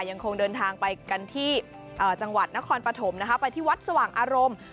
ยังคงเดินทางไปกันที่จังหวัดนครปฐมนะคะไปที่วัดสว่างอารมณ์